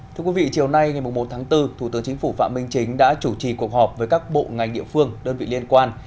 thưa quý vị chiều nay ngày một tháng bốn thủ tướng chính phủ phạm minh chính đã chủ trì cuộc họp với các bộ ngành địa phương đơn vị liên quan